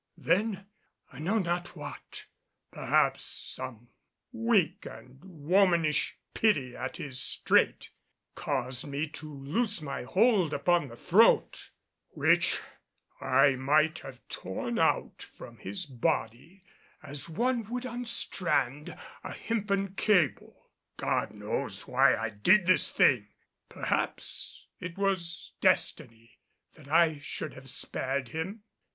Then, I know not what, perhaps some weak and womanish pity at his strait, caused me to loose my hold upon the throat, which I might have torn out from his body as one would unstrand a hempen cable. God knows why I did this thing! Perhaps it was destiny that I should have spared him.